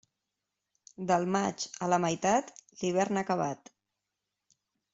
Del maig a la meitat, l'hivern acabat.